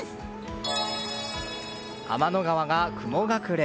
天の川が雲隠れ。